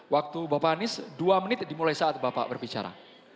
waktu bapak anies dua menit dimulai saat bapak berbicara